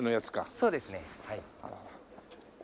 そうですねはい。